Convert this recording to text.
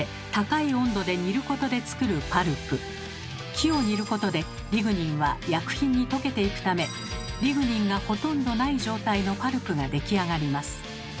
木を煮ることでリグニンは薬品に溶けていくためリグニンがほとんどない状態のパルプが出来上がります。